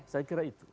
saya kira itu